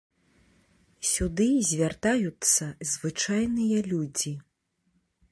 Сюды звяртаюцца звычайныя людзі.